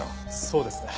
そうですね。